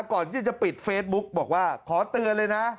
ก่อนที่จะปิดเฟซบุ๊กบอกว่าขอเตือนเลยนะ